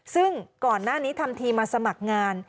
ซึ่งก่อนหน้านี้ทำทีมาสมัครงาน